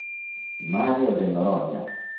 Mário de Noronha